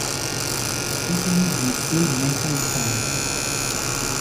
Capitoli di Full Metal Panic!